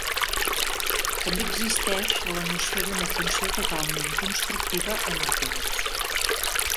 També existeix la noció d'una funció totalment constructiva en el temps.